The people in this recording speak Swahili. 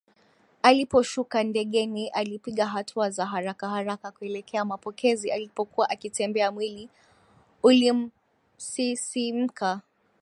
Aliposhuka ndegeni alipiga hatua za harakaharaka kuelekea mapokezi alipokuwa akitembea mwili ulkimsisimka